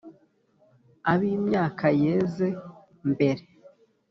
ab’imyaka yeze mbere